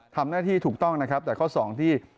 ทำหน้าที่ถูกต้องนะครับแต่ข้อสองที่